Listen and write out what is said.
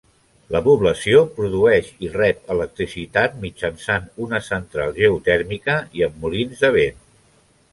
La població produeix i rep electricitat mitjançant una central geotèrmica i amb molins de vent.